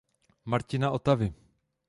Martina Otavy.